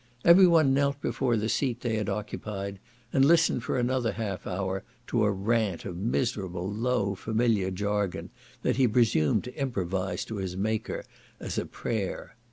Every one knelt before the seat they had occupied, and listened for another half hour to a rant of miserable, low, familiar jargon, that he presumed to improvise to his Maker as a prayer.